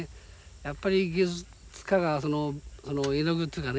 やっぱり芸術家がその絵の具っていうかね